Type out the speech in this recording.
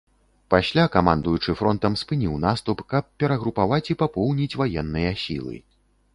Пасля камандуючы фронтам спыніў наступ, каб перагрупаваць і папоўніць ваенныя сілы.